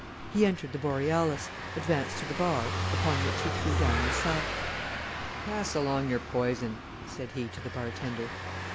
He entered the Borealis, advanced to the bar, upon which he threw down the sack. "Pass along your poison," said he to the bartender.